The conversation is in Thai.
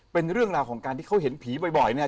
เป็นเรื่องราวของการที่เขาเห็นผีบ่อยเนี่ย